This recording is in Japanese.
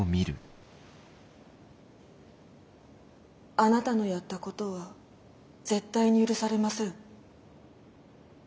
あなたのやったことは絶対に許されません。